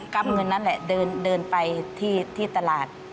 เงินนั่นแหละเดินไปที่ตลาด